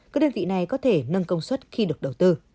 các đơn vị này có thể nâng công suất khi được đầu tư